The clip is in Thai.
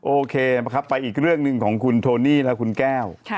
โอเคนะครับไปอีกเรื่องหนึ่งของคุณโทนี่และคุณแก้ว